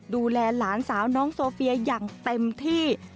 ดูแลหลานสาวน้องโซเฟียอย่างเต็มที่